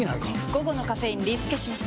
午後のカフェインリスケします！